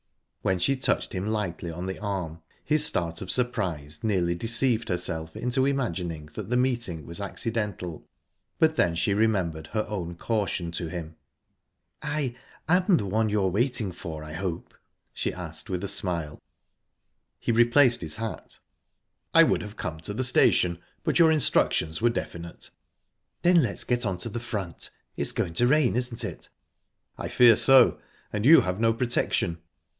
When she touched him lightly on the arm, his start of surprise nearly deceived herself into imagining that the meeting was accidental; but then she remembered her own caution to him. "I am the one you're waiting for, I hope?" she asked, with a smile. He replaced his hat. "I would have come to the station, but your instructions were definite." "Then let's get on to the front. It's going to rain, isn't it?" "I fear so and you have no protection."